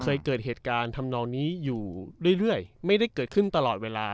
เคยเกิดเหตุการณ์ทำนองนี้อยู่เรื่อยไม่ได้เกิดขึ้นตลอดเวลา